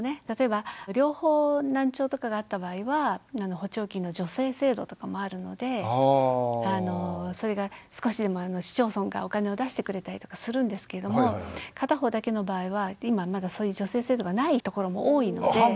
例えば両方難聴とかがあった場合は補聴器の助成制度とかもあるのでそれが少しでも市町村がお金を出してくれたりとかするんですけれども片方だけの場合は今はまだそういう助成制度がないところも多いので。